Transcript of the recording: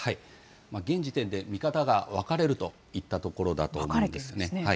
現時点で見方が分かれるといったところだと思うんですね。